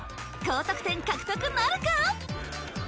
高得点獲得なるか？